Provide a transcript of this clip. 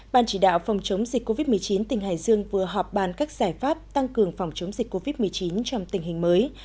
ban chỉ đạo phòng chống dịch covid một mươi chín tỉnh hải dương vừa họp bàn các giải pháp tăng cường phòng chống dịch covid một mươi chín trong tình hình mới